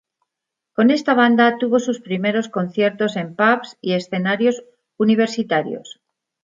Con esta banda tuvo sus primeros conciertos en pubs y escenarios universitarios.